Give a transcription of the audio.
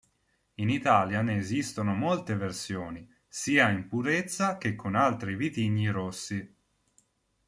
In Italia ne esistono molte versioni, sia in purezza che con altri vitigni rossi.